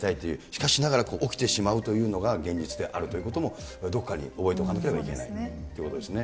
しかしながら起きてしまうというのが現実であるということも、どこかに覚えていかなければいけないということですね。